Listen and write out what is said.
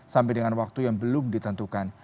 sampai dengan waktu yang belum ditentukan